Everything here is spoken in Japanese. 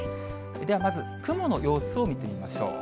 では、まず雲の様子を見てみましょう。